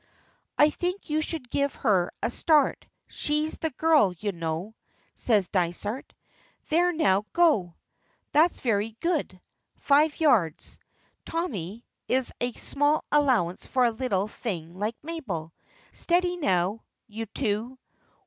"I think you should give her a start; she's the girl, you know," says Dysart. "There now, go. That's very good. Five yards, Tommy, is a small allowance for a little thing like Mabel. Steady now, you two!